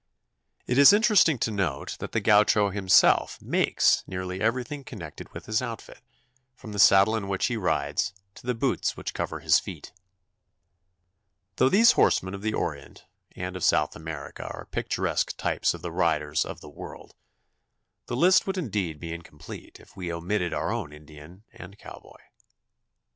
It is interesting to note that the Gaucho himself makes nearly everything connected with his outfit, from the saddle in which he rides to the boots which cover his feet. [Illustration: WILD RIDERS OF THE PLAINS.] Though these horsemen of the Orient and of South America are picturesque types of the riders of the world, the list would indeed be incomplete if we omitted our own Indian and cowboy.